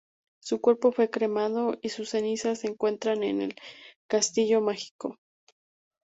Su cuerpo fue cremado, y sus cenizas se encuentran en el Castillo mágico.